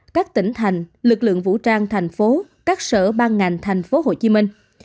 các tỉnh thành lực lượng vũ trang thành phố các sở ban ngành thành phố hồ chí minh